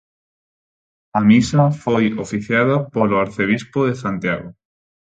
A misa foi oficiada polo arcebispo de Santiago.